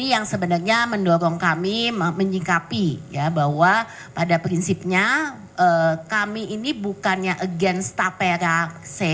yang sebenarnya mendorong kami menyingkapi bahwa pada prinsipnya kami ini bukannya against tapera c